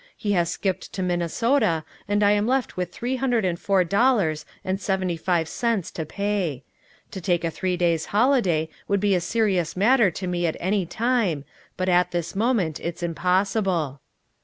He has skipped to Minnesota, and I am left with three hundred and four dollars and seventy five cents to pay. To take a three days' holiday would be a serious matter to me at any time, but at this moment it is impossible."